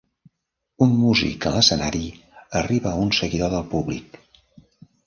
Un músic a l'escenari arriba a un seguidor del públic.